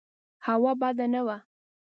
هوا بده نه وه.